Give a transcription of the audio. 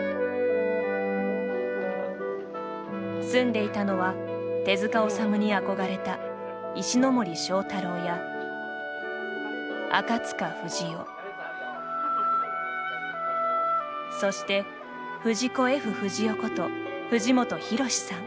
住んでいたのは手治虫に憧れた石森章太郎や赤塚不二夫そして藤子・Ｆ・不二雄こと藤本弘さん